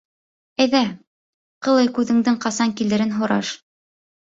Әйҙә, ҡылый күҙеңдең ҡасан килерен һораш.